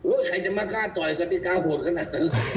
โอ๊ยใครจะมาก้าดต่อยกติกาห่วงขนาดนั้น